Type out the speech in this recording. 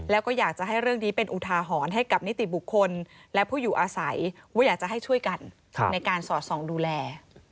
แล้วก็อยากจะให้เรื่องนี้เป็นอุทาหรณ์ให้กับนิติบุคคลและผู้อยู่อาศัยว่าอยากจะให้ช่วยกันในการสอดส่องดูแล